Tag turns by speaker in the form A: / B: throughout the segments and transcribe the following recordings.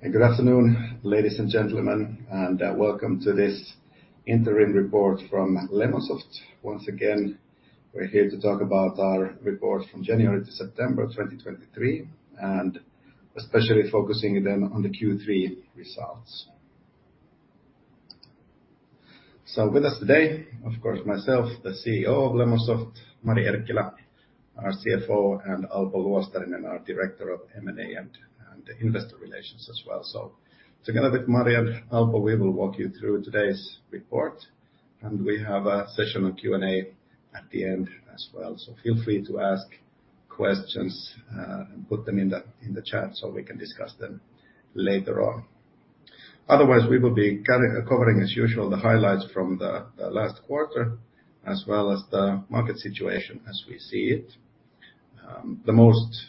A: And good afternoon, ladies and gentlemen, and, welcome to this interim report from Lemonsoft. Once again, we're here to talk about our report from January to September 2023, and especially focusing then on the Q3 results. So with us today, of course, myself, the CEO of Lemonsoft, Mari Erkkilä, our CFO, and Alpo Luostarinen, our Director of M&A and Investor Relations as well. So together with Mari and Alpo, we will walk you through today's report, and we have a session on Q&A at the end as well. So feel free to ask questions, and put them in the, in the chat so we can discuss them later on. Otherwise, we will be covering, as usual, the highlights from the last quarter, as well as the market situation as we see it. The most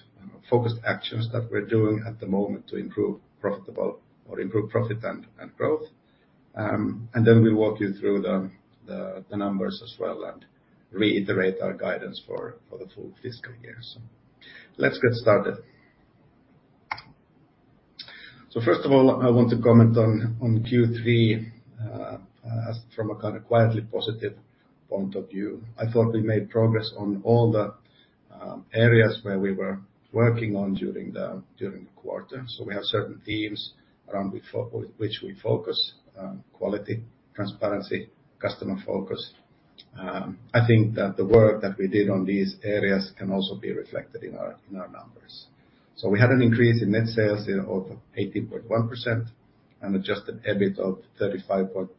A: focused actions that we're doing at the moment to improve profitable or improve profit and growth. And then we'll walk you through the numbers as well, and reiterate our guidance for the full fiscal year. So let's get started. So first of all, I want to comment on Q3 as from a kind of quietly positive point of view. I thought we made progress on all the areas where we were working on during the quarter. So we have certain themes around which we focus, quality, transparency, customer focus. I think that the work that we did on these areas can also be reflected in our numbers. So we had an increase in net sales of 80.1% and adjusted EBIT of 35.1%.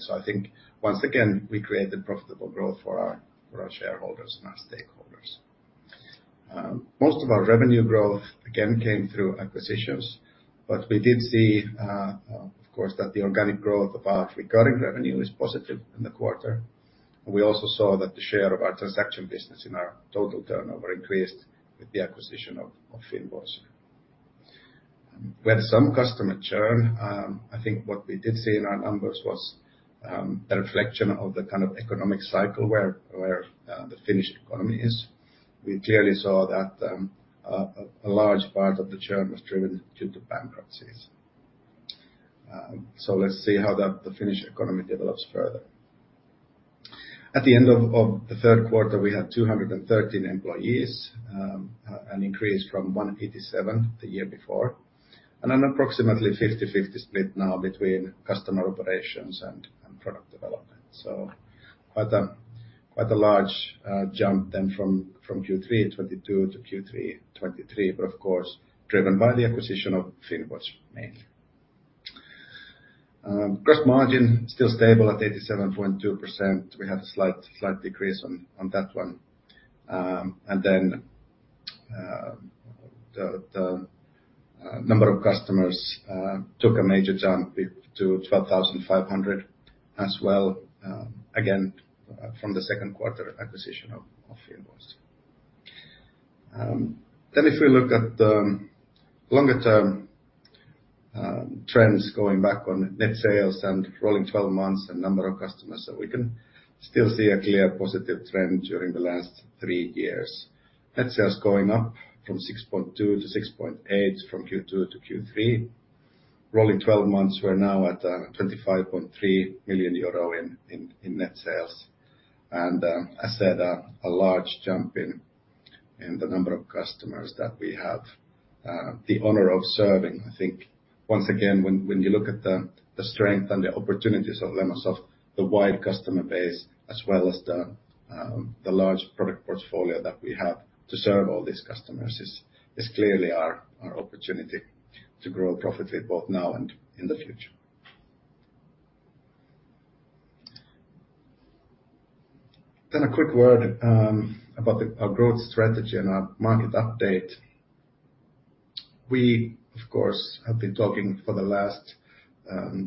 A: So I think once again, we created profitable growth for our, for our shareholders and our stakeholders. Most of our revenue growth, again, came through acquisitions, but we did see, of course, that the organic growth of our recurring revenue is positive in the quarter. We also saw that the share of our transaction business in our total turnover increased with the acquisition of Finvoicer. We had some customer churn. I think what we did see in our numbers was a reflection of the kind of economic cycle where the Finnish economy is. We clearly saw that a large part of the churn was driven due to bankruptcies. So let's see how the Finnish economy develops further. At the end of the third quarter, we had 213 employees, an increase from 187 the year before, and an approximately 50/50 split now between customer operations and product development. So quite a large jump then from Q3 2022 to Q3 2023, but of course, driven by the acquisition of Finvoicer. Gross margin, still stable at 87.2%. We had a slight decrease on that one. And then, the number of customers took a major jump to 12,500 as well, again, from the second quarter acquisition of Finvoicer. Then, if we look at the longer-term trends going back on net sales and rolling twelve months and number of customers, so we can still see a clear positive trend during the last three years. Net sales going up from 6.2 million to 6.8 million from Q2 to Q3. Rolling 12 months, we're now at 25.3 million euro in net sales, and I said a large jump in the number of customers that we have the honor of serving. I think once again, when you look at the strength and the opportunities of Lemonsoft, the wide customer base, as well as the large product portfolio that we have to serve all these customers is clearly our opportunity to grow profitably, both now and in the future. Then a quick word about our growth strategy and our market update. We, of course, have been talking for the last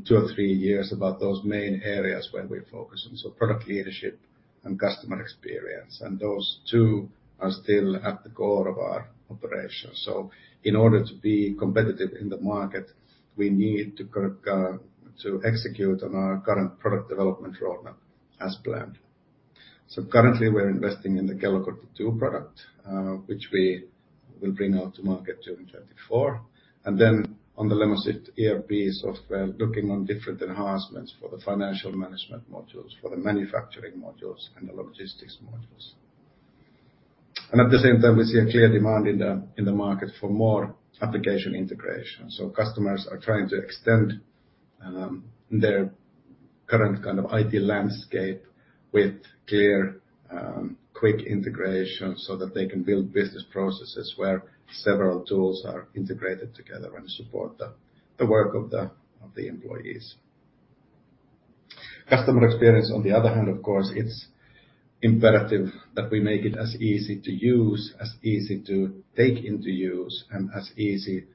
A: two or three years about those main areas where we focus on: so product leadership and customer experience, and those two are still at the core of our operation. So in order to be competitive in the market, we need to execute on our current product development roadmap as planned. So currently, we're investing in the Kellokortti 2 product, which we will bring out to market during 2024, and then on the Lemonsoft ERP so, we're looking on different enhancements for the financial management modules, for the manufacturing modules, and the logistics modules. And at the same time, we see a clear demand in the market for more application integration. So customers are trying to extend their current kind of IT landscape with clear quick integration so that they can build business processes where several tools are integrated together and support the work of the employees. Customer experience, on the other hand, of course, it's imperative that we make it as easy to use, as easy to take into use, and as easy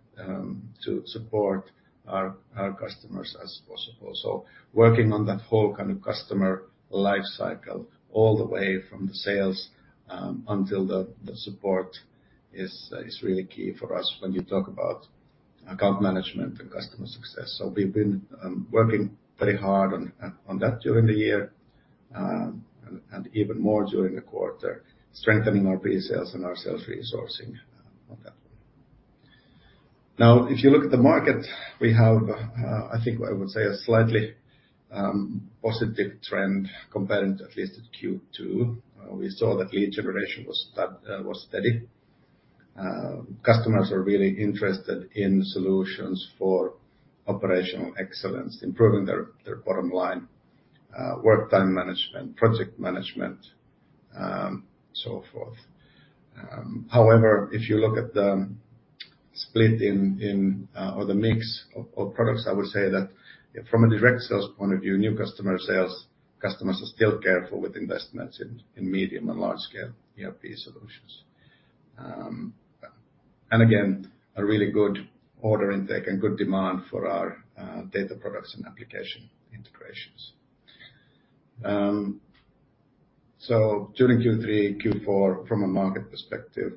A: to support our customers as possible. So working on that whole kind of customer life cycle, all the way from the sales until the support is really key for us when we talk about account management and customer success. So we've been working very hard on that during the year. And even more during the quarter, strengthening our pre-sales and our sales resourcing on that one. Now, if you look at the market, we have I think I would say a slightly positive trend compared at least at Q2. We saw that lead generation was steady. Customers are really interested in solutions for operational excellence, improving their bottom line, work time management, project management, so forth. However, if you look at the split in or the mix of products, I would say that from a direct sales point of view, new customer sales, customers are still careful with investments in medium and large scale ERP solutions. And again, a really good order intake and good demand for our data products and application integrations. So during Q3, Q4, from a market perspective,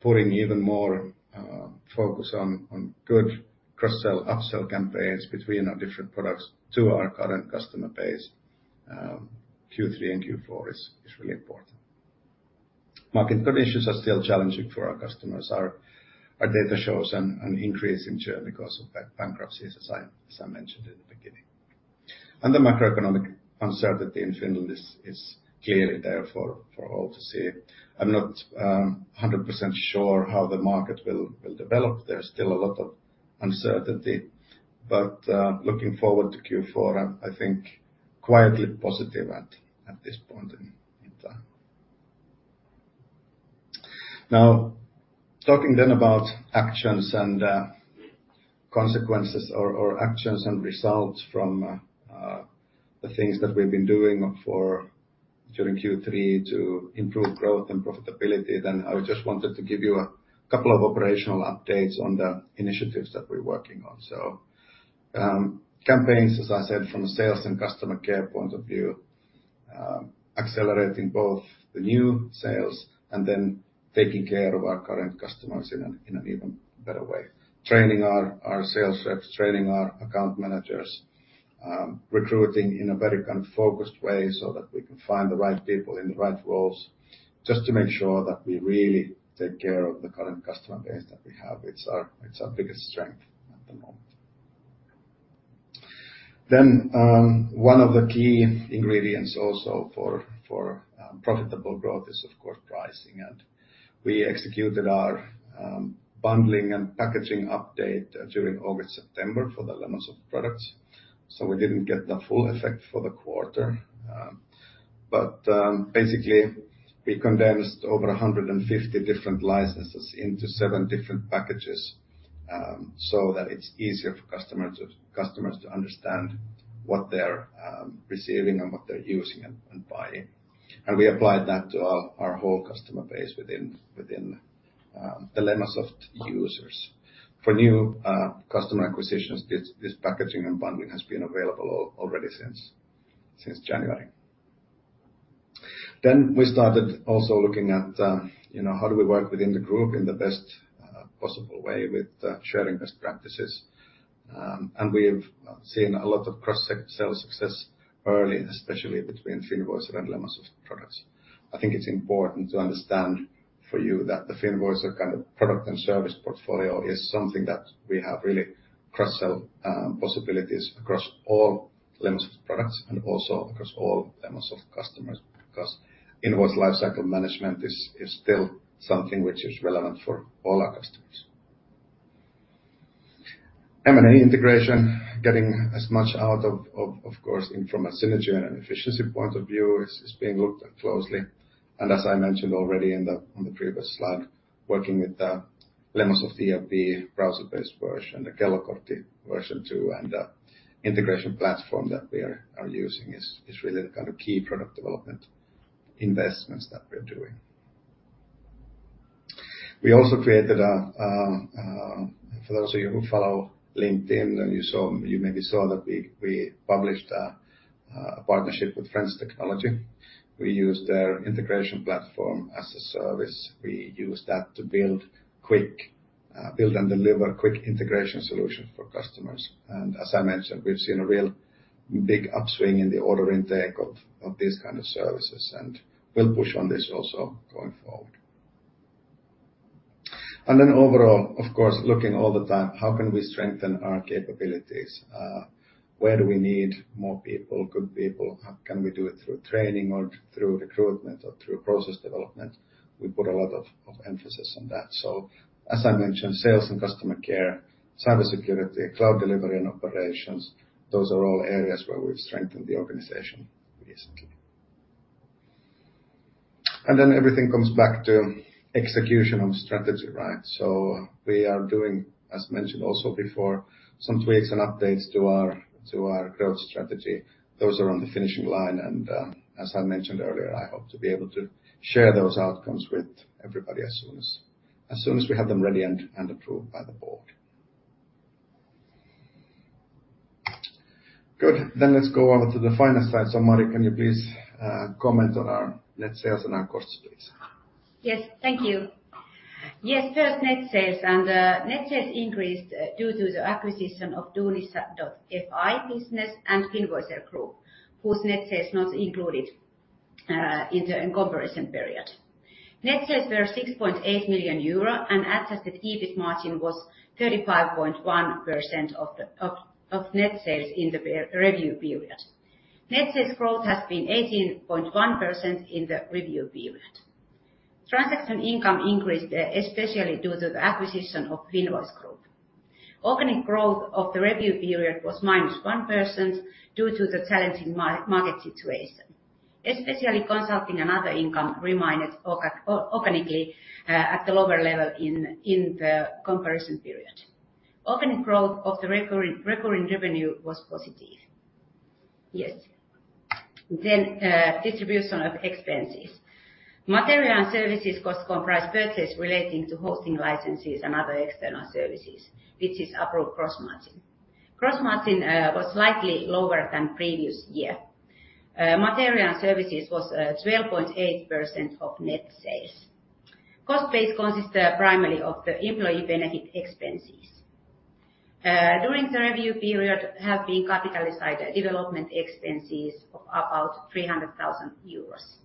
A: putting even more focus on good cross-sell, up-sell campaigns between our different products to our current customer base, Q3 and Q4 is really important. Market conditions are still challenging for our customers. Our data shows an increase in churn because of bankruptcies, as I mentioned in the beginning. The macroeconomic uncertainty in Finland is clearly there for all to see. I'm not 100% sure how the market will develop. There's still a lot of uncertainty, but looking forward to Q4, I think quietly positive at this point in time. Now, talking then about actions and consequences, or actions and results from the things that we've been doing for during Q3 to improve growth and profitability, then I just wanted to give you a couple of operational updates on the initiatives that we're working on. So, campaigns, as I said, from a sales and customer care point of view, accelerating both the new sales and then taking care of our current customers in an even better way. Training our sales reps, training our account managers, recruiting in a very kind of focused way so that we can find the right people in the right roles, just to make sure that we really take care of the current customer base that we have. It's our biggest strength at the moment. Then, one of the key ingredients also for profitable growth is, of course, pricing, and we executed our bundling and packaging update during August, September for the Lemonsoft products, so we didn't get the full effect for the quarter. But basically, we condensed over 150 different licenses into seven different packages, so that it's easier for customers to understand what they're receiving and what they're using and buying. And we applied that to our whole customer base within the Lemonsoft users. For new customer acquisitions, this packaging and bundling has been available already since January. Then we started also looking at, you know, how do we work within the group in the best possible way with sharing best practices. And we've seen a lot of cross-sell success early, especially between Finvoicer and Lemonsoft products. I think it's important to understand for you that the Finvoicer, our kind of product and service portfolio is something that we have really cross-sell possibilities across all Lemonsoft products and also across all Lemonsoft customers, because invoice lifecycle management is still something which is relevant for all our customers. M&A integration, getting as much out of, of course, from a synergy and an efficiency point of view, is being looked at closely. And as I mentioned already on the previous slide, working with the Lemonsoft ERP browser-based version, the Kellokortti version 2, and the integration platform that we are using is really the kind of key product development investments that we're doing. We also created a—for those of you who follow LinkedIn, and you maybe saw that we published a partnership with Frends Technology. We use their integration platform as a service. We use that to build quick build and deliver quick integration solutions for customers. And as I mentioned, we've seen a real big upswing in the order intake of these kind of services, and we'll push on this also going forward. And then overall, of course, looking all the time, how can we strengthen our capabilities? Where do we need more people, good people? How can we do it through training or through recruitment or through process development? We put a lot of emphasis on that. So as I mentioned, sales and customer care, cybersecurity, cloud delivery, and operations, those are all areas where we've strengthened the organization recently. And then everything comes back to execution on strategy, right? So we are doing, as mentioned also before, some tweaks and updates to our, to our growth strategy. Those are on the finishing line, and, as I mentioned earlier, I hope to be able to share those outcomes with everybody as soon as, as soon as we have them ready and, and approved by the board. Good. Then let's go over to the finance side. So, Mari, can you please, comment on our net sales and our costs, please?
B: Yes, thank you. Yes, first net sales and net sales increased due to the acquisition of Duunitori.fi business and Finvoicer Group, whose net sales not included in the comparison period. Net sales were 6.8 million euro, and adjusted EBIT margin was 35.1% of the net sales in the review period. Net sales growth has been 18.1% in the review period. Transaction income increased, especially due to the acquisition of Finvoicer Group. Organic growth of the review period was -1% due to the challenging market situation, especially consulting and other income remained organically at the lower level in the comparison period. Organic growth of the recurring revenue was positive. Yes. Distribution of expenses. Material and services cost comprise purchase relating to hosting licenses and other external services, which affects gross margin. Gross margin was slightly lower than previous year. Material and services was 12.8% of net sales. Cost base consists primarily of the employee benefit expenses. During the review period have been capitalized development expenses of about 300,000 euros.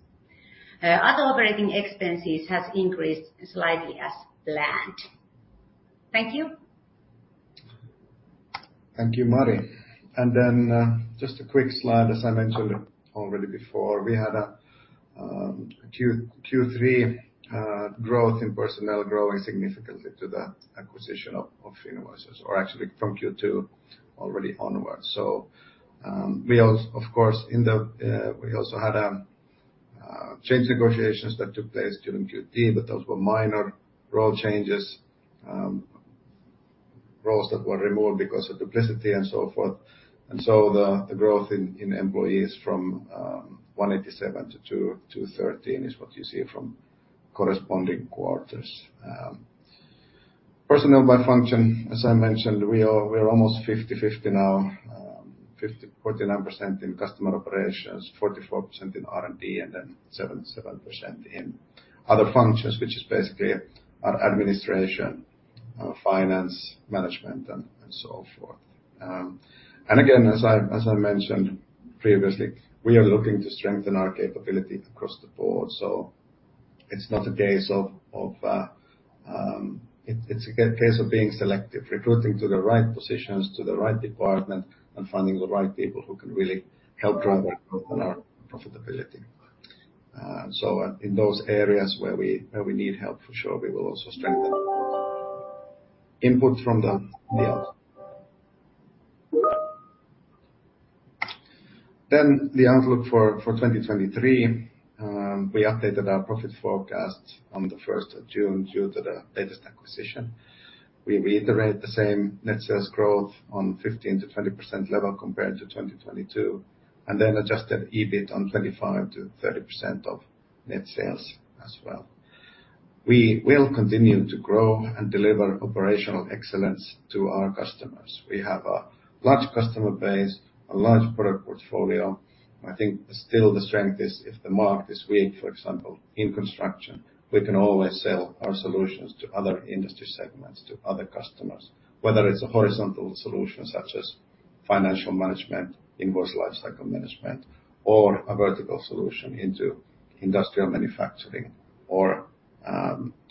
B: Other operating expenses has increased slightly as planned. Thank you.
A: Thank you, Mari. And then, just a quick slide. As I mentioned already before, we had Q3 growth in personnel growing significantly to the acquisition of Finvoicer, or actually from Q2 already onwards. So, we also had change negotiations that took place during Q3, but those were minor role changes, roles that were removed because of duplication and so forth. And so the growth in employees from 187 to 213 is what you see from corresponding quarters. Personnel by function, as I mentioned, we are, we're almost 50/50 now, 49% in customer operations, 44% in R&D, and then 7% in other functions, which is basically our administration, finance, management, and so forth. And again, as I mentioned previously, we are looking to strengthen our capability across the board, so it's not a case of being selective, recruiting to the right positions, to the right department, and finding the right people who can really help drive our growth and our profitability. So in those areas where we need help, for sure, we will also strengthen input from the outside. Then the outlook for 2023. We updated our profit forecast on the first of June due to the latest acquisition. We reiterate the same net sales growth on 15%-20% level compared to 2022, and then adjusted EBIT on 25%-30% of net sales as well. We will continue to grow and deliver operational excellence to our customers. We have a large customer base, a large product portfolio. I think still the strength is, if the market is weak, for example, in construction, we can always sell our solutions to other industry segments, to other customers. Whether it's a horizontal solution such as financial management, invoice lifecycle management, or a vertical solution into industrial manufacturing or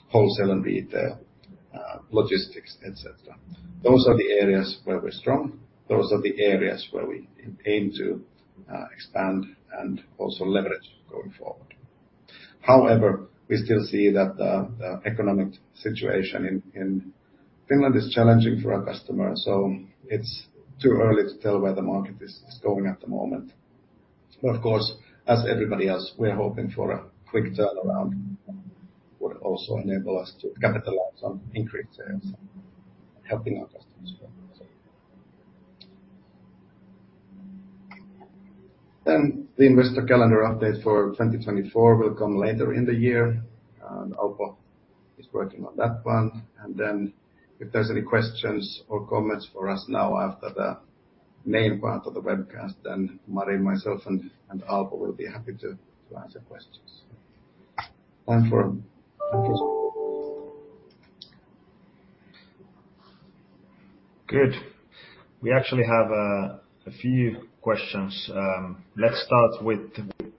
A: wholesale and retail, logistics, et cetera. Those are the areas where we're strong. Those are the areas where we aim to expand and also leverage going forward. However, we still see that the economic situation in Finland is challenging for our customers, so it's too early to tell where the market is going at the moment. But of course, as everybody else, we're hoping for a quick turnaround, would also enable us to capitalize on increased sales, helping our customers. Then the investor calendar update for 2024 will come later in the year, and Alpo is working on that one. Then if there's any questions or comments for us now after the main part of the webcast, then Mari, myself, and, and Alpo will be happy to, to answer questions. Time for questions.
C: Good. We actually have a few questions. Let's start with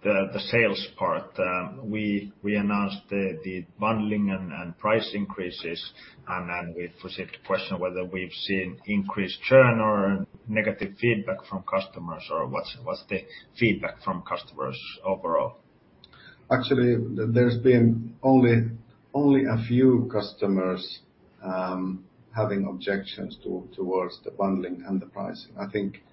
C: the sales part. We announced the bundling and price increases, and then we received a question whether we've seen increased churn or negative feedback from customers, or what's the feedback from customers overall?
A: Actually, there's been only a few customers having objections towards the bundling and the pricing. I think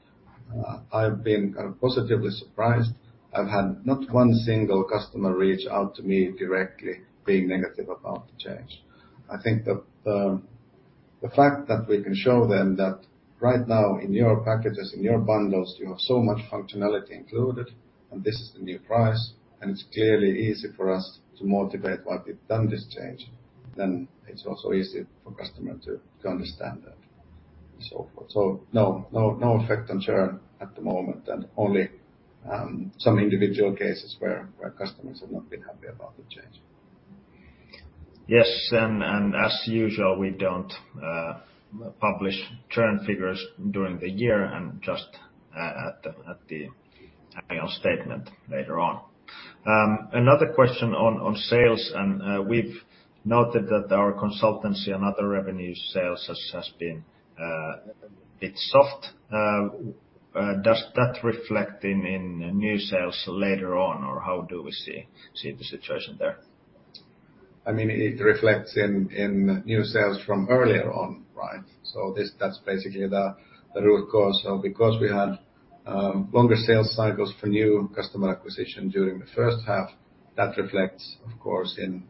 A: I've been positively surprised. I've had not one single customer reach out to me directly being negative about the change. I think that the fact that we can show them that right now in your packages, in your bundles, you have so much functionality included, and this is the new price, and it's clearly easy for us to motivate why we've done this change, then it's also easy for customer to understand that, so forth—so no effect on churn at the moment, and only some individual cases where customers have not been happy about the change.
C: Yes, and as usual, we don't publish churn figures during the year and just at the annual statement later on. Another question on sales, and we've noted that our consultancy and other revenue sales has been a bit soft. Does that reflect in new sales later on, or how do we see the situation there?
A: I mean, it reflects in new sales from earlier on, right? So that's basically the root cause. So because we had longer sales cycles for new customer acquisition during the first half, that reflects, of course, in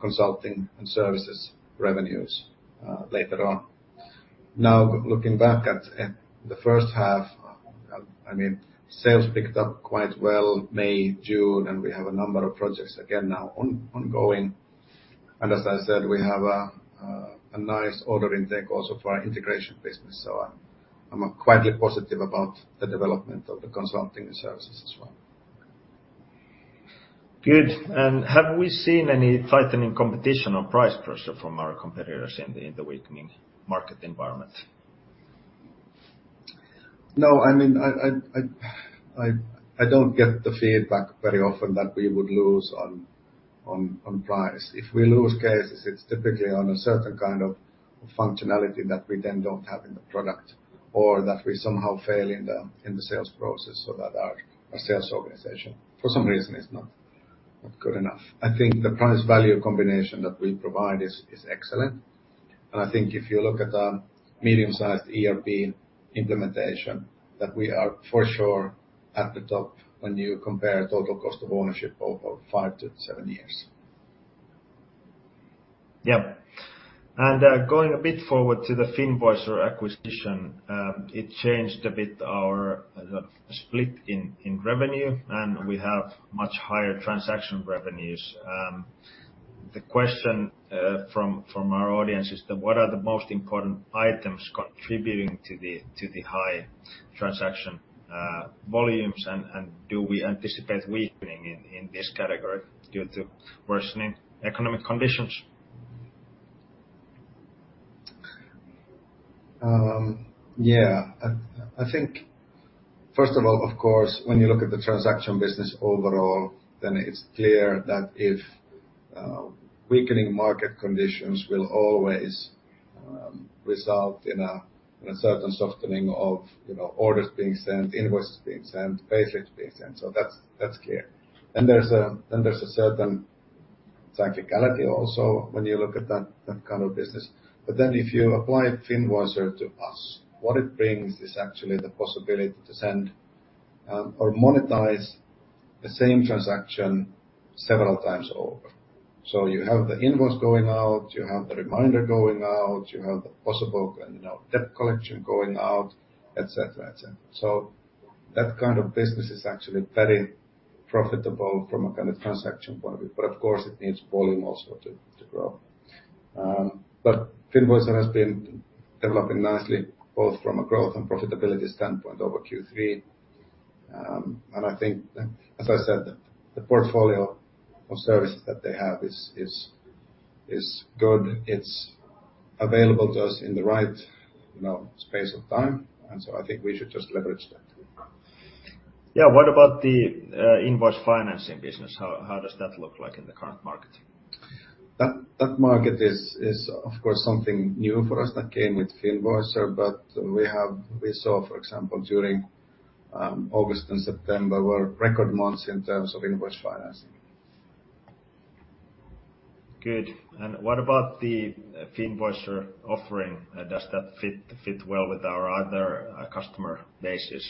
A: consulting and services revenues later on. Now, looking back at the first half, I mean, sales picked up quite well, May, June, and we have a number of projects again now ongoing. And as I said, we have a nice order intake also for our integration business, so I'm quite positive about the development of the consulting services as well.
C: Good. And have we seen any tightening competition or price pressure from our competitors in the weakening market environment?
A: No, I mean, I don't get the feedback very often that we would lose on price. If we lose cases, it's typically on a certain kind of functionality that we then don't have in the product, or that we somehow fail in the sales process, so that our sales organization, for some reason, is not good enough. I think the price-value combination that we provide is excellent, and I think if you look at a medium-sized ERP implementation, that we are for sure at the top when you compare total cost of ownership over five to seven years.
C: Yeah. And, going a bit forward to the Finvoicer acquisition, it changed a bit our split in revenue, and we have much higher transaction revenues. The question from our audience is that what are the most important items contributing to the high transaction volumes, and do we anticipate weakening in this category due to worsening economic conditions?
A: Yeah. I think, first of all, of course, when you look at the transaction business overall, then it's clear that if weakening market conditions will always result in a certain softening of, you know, orders being sent, invoices being sent, payments being sent, so that's clear. Then there's a certain cyclicality also when you look at that kind of business. But then if you apply Finvoicer to us, what it brings is actually the possibility to send or monetize the same transaction several times over. So you have the invoice going out, you have the reminder going out, you have the possible, you know, debt collection going out, et cetera, et cetera. So that kind of business is actually very profitable from a kind of transaction point of view, but of course, it needs volume also to grow. But Finvoicer has been developing nicely, both from a growth and profitability standpoint over Q3. And I think, as I said, the portfolio of services that they have is good. It's available to us in the right, you know, space of time, and so I think we should just leverage that.
C: Yeah. What about the invoice financing business? How does that look like in the current market?
A: That market is, of course, something new for us that came with Finvoicer, but we saw, for example, during August and September, were record months in terms of invoice financing.
C: Good. And what about the Finvoicer offering? Does that fit well with our other customer bases?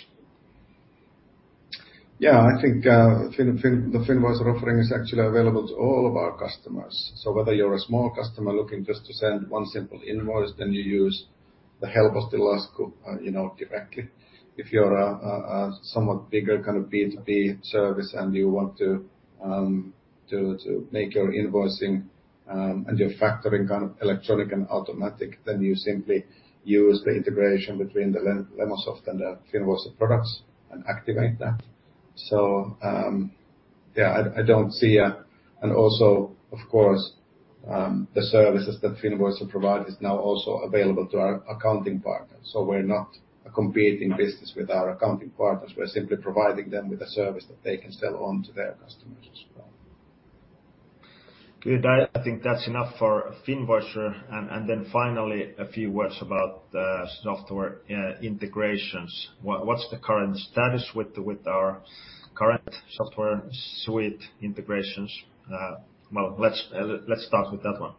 A: Yeah, I think, the Finvoicer offering is actually available to all of our customers. So whether you're a small customer looking just to send one simple invoice, then you use the help of the HelpostiLasku, you know, directly. If you're a somewhat bigger kind of B2B service and you want to make your invoicing and your factoring kind of electronic and automatic, then you simply use the integration between the Lemonsoft and the Finvoicer products and activate that. So, yeah, I don't see a—and also, of course, the services that Finvoicer provide is now also available to our accounting partners. So we're not a competing business with our accounting partners. We're simply providing them with a service that they can sell on to their customers as well.
C: Good. I, I think that's enough for Finvoicer, and, and then finally, a few words about the software integrations. What, what's the current status with the, with our current software suite integrations? Well, let's, let's start with that one.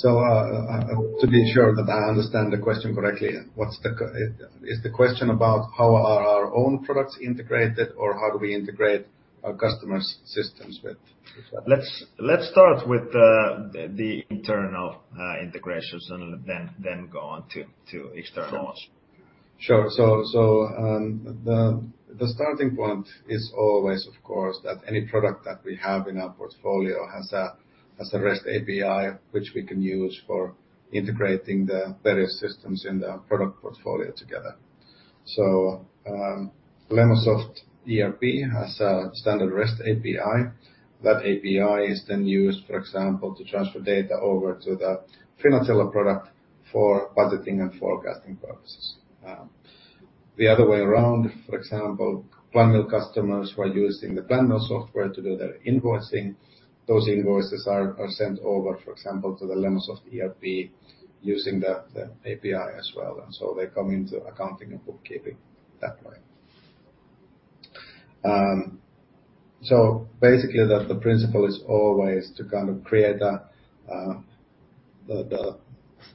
A: To be sure that I understand the question correctly, is the question about how are our own products integrated, or how do we integrate our customers' systems with?
C: Let's start with the internal integrations and then go on to externals.
A: Sure. The starting point is always, of course, that any product that we have in our portfolio has a REST API, which we can use for integrating the various systems in the product portfolio together. So, Lemonsoft ERP has a standard REST API. That API is then used, for example, to transfer data over to the Finazilla product for budgeting and forecasting purposes. The other way around, for example, PlanMill customers who are using the PlanMill software to do their invoicing, those invoices are sent over, for example, to the Lemonsoft ERP, using that API as well, and so they come into accounting and bookkeeping that way. So basically, the principle is always to kind of create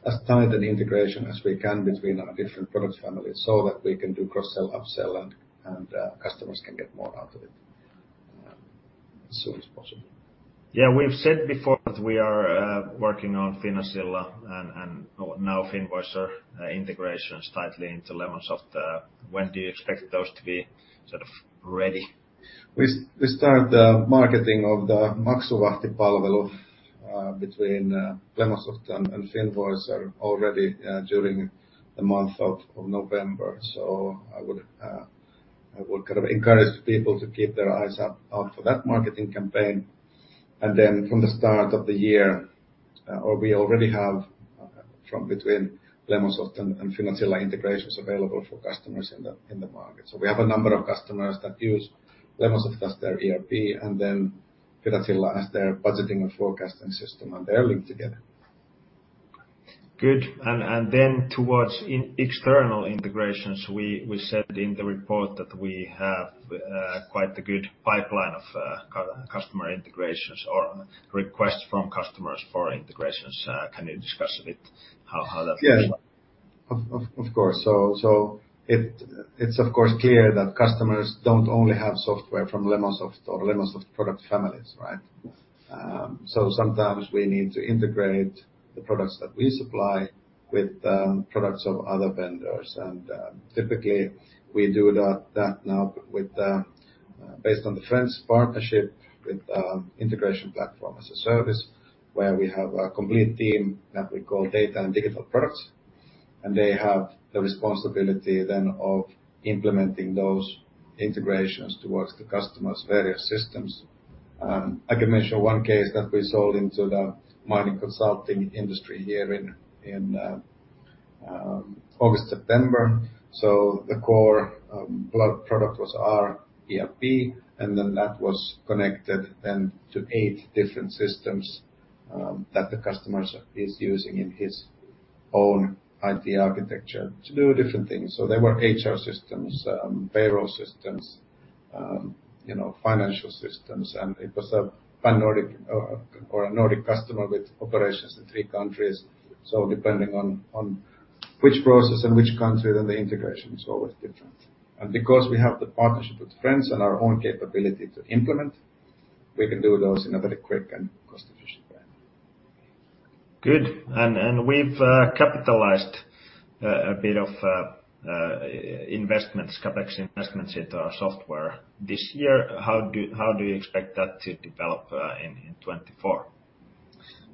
A: as tight an integration as we can between our different product families, so that we can do cross-sell, up-sell, and customers can get more out of it as soon as possible.
C: Yeah, we've said before that we are working on Finazilla and, and now Finvoicer integrations tightly into Lemonsoft. When do you expect those to be sort of ready?
A: We start the marketing of the Maksuvahti palvelu between Lemonsoft and Finvoicer already during the month of November. So I would kind of encourage people to keep their eyes out for that marketing campaign. And then from the start of the year or we already have between Lemonsoft and Finazilla integrations available for customers in the market. So we have a number of customers that use Lemonsoft as their ERP, and then Finazilla as their budgeting and forecasting system, and they're linked together.
C: Good. And then towards in external integrations, we said in the report that we have quite a good pipeline of customer integrations or requests from customers for integrations. Can you discuss a bit how that works?
A: Yeah. Of course. So it is of course clear that customers don't only have software from Lemonsoft or Lemonsoft product families, right? So sometimes we need to integrate the products that we supply with products of other vendors. And typically, we do that now based on the Frends partnership with integration platform as a service, where we have a complete team that we call data and digital products, and they have the responsibility then of implementing those integrations towards the customer's various systems. I can mention one case that we sold into the mining consulting industry here in August, September. So the core product was our ERP, and then that was connected to eight different systems that the customer is using in his own IT architecture to do different things. So there were HR systems, payroll systems, you know, financial systems, and it was a pan-Nordic or a Nordic customer with operations in three countries. So depending on which process and which country, then the integration is always different. Because we have the partnership with Frends and our own capability to implement, we can do those in a very quick and cost-efficient way.
C: Good. And we've capitalized a bit of investments, CapEx investments into our software this year. How do you expect that to develop in 2024?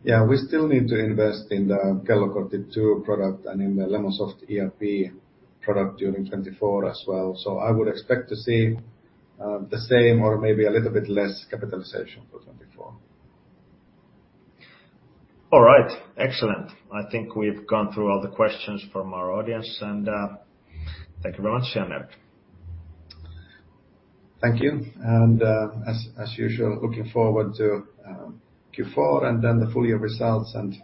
A: Yeah, we still need to invest in the Kellokortti 2 product and in the Lemonsoft ERP product during 2024 as well. So I would expect to see the same or maybe a little bit less capitalization for 2024.
C: All right. Excellent. I think we've gone through all the questions from our audience, and thank you very much, Jan-Erik.
A: Thank you, and, as usual, looking forward to Q4 and then the full year results, and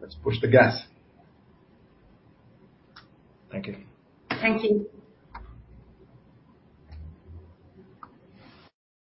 A: let's push the gas.
C: Thank you.
B: Thank you.